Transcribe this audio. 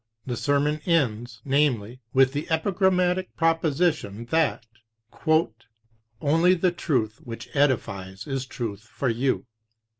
The sermon ends, namely, with the epigrammatic proposition that "only the truth which edifies is truth for you."